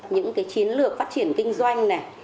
những chiến lược phát triển kinh doanh